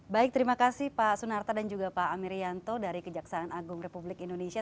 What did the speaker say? baik terima kasih pak sunarta dan juga pak amir yanto dari kejaksaan agung republik indonesia